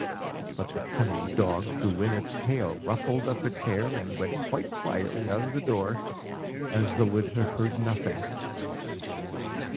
But the cunning dog drew in its tail, ruffled up its hair, and went quite quietly out of the door, as though it had heard nothing.